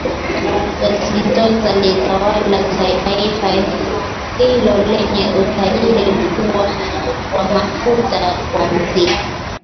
Dos Santos aliyetawala taifa hilo lenye utajiri mkubwa wa mafuta kuanzia